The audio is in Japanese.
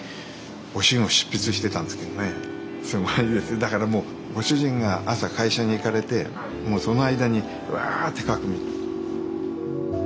だからもうご主人が朝会社に行かれてその間にわって書くみたい。